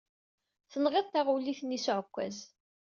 Tenɣiḍ taɣulit-nni s uɛekkaz.